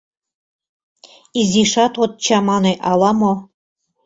Изишат от чамане ала-мо?